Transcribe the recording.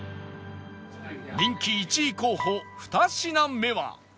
人気１位候補２品目は